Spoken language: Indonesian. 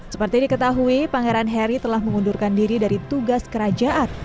seperti diketahui pangeran harry telah mengundurkan diri dari tugas kerajaan